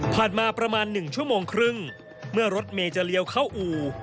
มาประมาณ๑ชั่วโมงครึ่งเมื่อรถเมย์จะเลี้ยวเข้าอู่